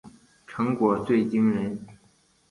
成果最惊人